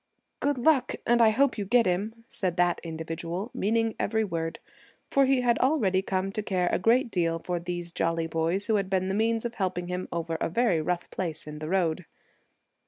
"Good luck, and I hope you get him!" said that individual, meaning every word, for he had already come to care a great deal for these jolly boys who had been the means of helping him over a very rough place in the road.